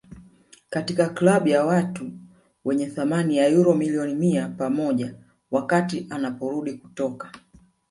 katika klabu ya watu wenye thamani ya uro milioni mia moja wakati anaporudi kutoka